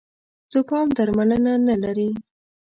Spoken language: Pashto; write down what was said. زوکام درملنه نه لري